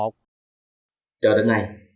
cho đến nay